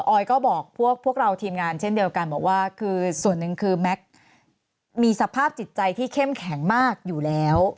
ออยก็บอกพวกเราทีมงานเช่นเดียวกันบอกว่าคือส่วนหนึ่งคือแม็กซ์มีสภาพจิตใจที่เข้มแข็งมากอยู่แล้ว